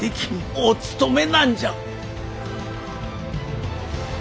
おつとめなんじゃ。